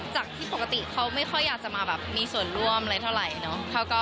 จากที่ปกติเขาไม่ค่อยอยากจะมาแบบมีส่วนร่วมอะไรเท่าไหร่เนอะ